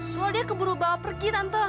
soalnya dia keburu bawa pergi tante